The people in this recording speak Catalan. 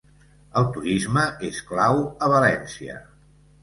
El turisme és clau a València